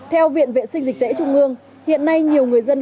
theo viện vệ sinh dịch tễ trung ương hiện nay nhiều người dân